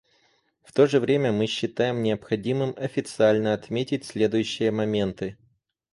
В то же время мы считаем необходимым официально отметить следующие моменты.